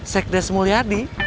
sek des mulyadi